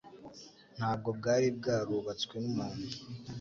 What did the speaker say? ntabwo bwari bwarubatswe n'umuntu.